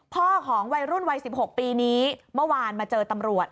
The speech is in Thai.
ของวัยรุ่นวัย๑๖ปีนี้เมื่อวานมาเจอตำรวจ